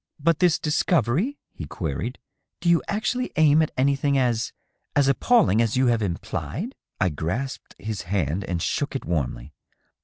" But this discovery ?'^ he queried. " Do you actually aim at any thing as — eis appalling as you have implied ?'* I grasped his hand and shook it warmly.